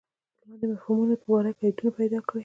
د لاندې مفهومونو په باره کې ایتونه پیدا کړئ.